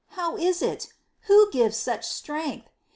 how is it ? Who gives such strength